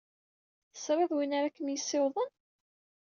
Tesrid win ara kem-yessiwḍen?